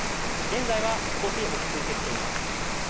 現在は少し落ち着いてきています。